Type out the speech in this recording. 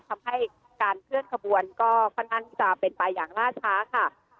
ทำให้การเคลื่อนขบวนก็เพราะนั้นจะเป็นปลายอย่างล่าช้าค่ะ